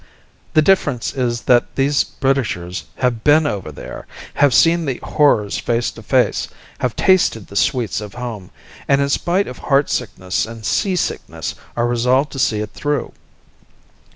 The difference is that these Britishers have been over there, have seen the horrors face to face, have tasted the sweets of home, and in spite of heartsickness and seasickness are resolved to see it through.